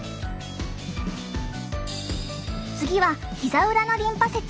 次はひざ裏のリンパ節。